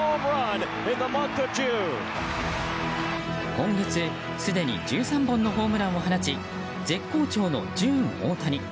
今月すでに１３本のホームランを放ち絶好調のジューン・オオタニ。